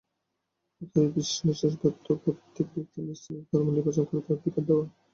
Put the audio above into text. অতএব ইষ্টনিষ্ঠার অর্থ প্রত্যেক ব্যক্তিকে নিজ নিজ ধর্ম নির্বাচন করিতে অধিকার দেওয়া।